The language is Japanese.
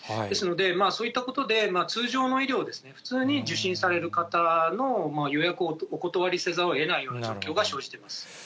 ですので、そういったことで通常の医療を普通に受診される方の予約をお断りせざるをえない状況が生じています。